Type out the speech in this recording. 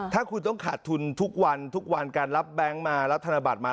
ถ้าคุณต้องขาดทุนทุกวันทุกวันการรับแบงค์มารับธนบัตรมา